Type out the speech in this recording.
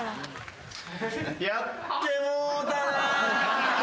やってもうたな。